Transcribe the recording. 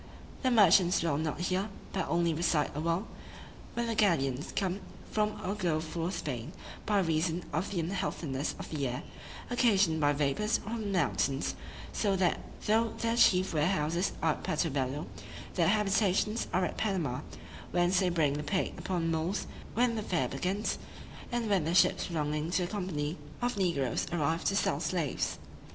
The merchants dwell not here, but only reside a while, when the galleons come from or go for Spain, by reason of the unhealthiness of the air, occasioned by vapors from the mountains; so that though their chief warehouses are at Puerto Bello, their habitations are at Panama, whence they bring the plate upon mules when the fair begins, and when the ships belonging to the company of negroes arrive to sell slaves.